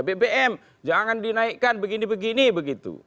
bbm jangan dinaikkan begini begini begitu